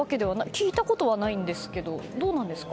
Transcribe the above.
聞いたことはないんですけどどうなんですか？